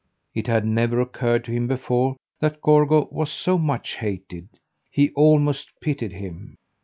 It had never occurred to him before that Gorgo was so much hated. He almost pitied him.